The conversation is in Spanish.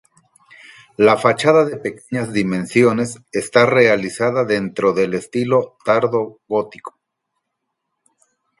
La fachada de pequeñas dimensiones está realizada dentro del estilo tardo-gótico.